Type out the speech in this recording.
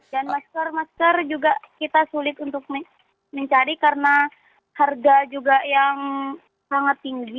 dan masker masker juga kita sulit untuk mencari karena harga juga yang sangat tinggi